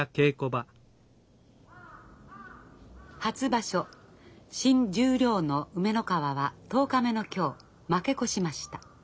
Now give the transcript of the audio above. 初場所新十両の梅ノ川は１０日目の今日負け越しました。